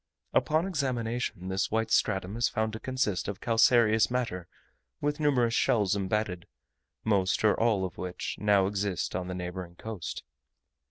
Upon examination this white stratum is found to consist of calcareous matter with numerous shells embedded, most or all of which now exist on the neighbouring coast.